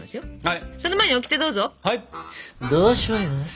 はい。